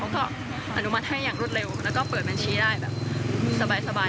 ก็อนุมัติให้อย่างรวดเร็วแล้วก็เปิดบัญชีได้แบบสบาย